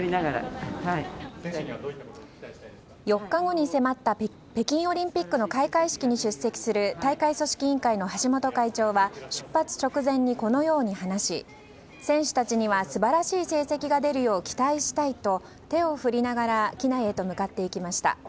４日後に迫った北京オリンピックの開会式に出席する大会組織委員会の橋本会長は出発直前にこのように話し、選手たちには素晴らしい成績が出るよう期待したいと、手を振りながら機内へと向かっていきました。